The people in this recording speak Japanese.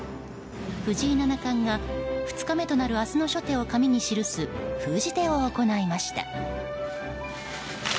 藤井七冠が２日目となる明日の初手を紙に記す封じ手を行いました。